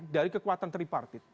dari kekuatan tripartit